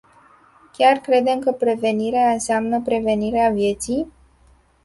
Chiar credem că prevenirea înseamnă prevenirea vieții?